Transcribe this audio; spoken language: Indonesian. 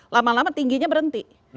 lama lama tingginya berhenti